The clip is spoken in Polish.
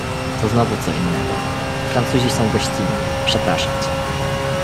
"to znowu co innego; Francuzi są gościnni, przepraszam cię."